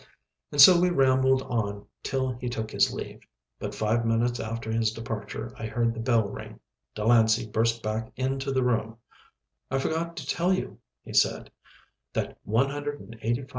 And so we rambled on till he took his leave. But five minutes after his departure I heard the bell ring. Delancey burst back into the room, "I forgot to tell you," he said, "that 185,000 copies of 'Transition' have sold."